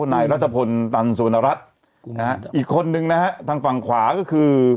นายรัฐพลตันสุวรรณรัฐนะฮะอีกคนนึงนะฮะทางฝั่งขวาก็คือ